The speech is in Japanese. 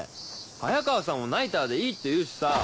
早川さんもナイターでいいって言うしさ。